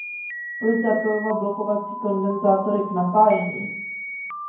Proč zapojovat blokovací kondenzátory k napájení